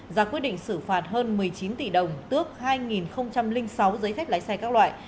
ra quyết định xử phạt hơn một mươi chín tỷ đồng tước hai sáu giấy phép lái xe các loại